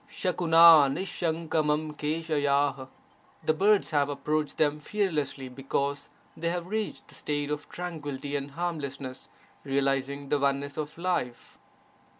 [TFfRT ft: ^H^ Ml:— The birds have approached them fearlessly, because they have reached the state of tranquility and harmlessness, realizing the oneness of life.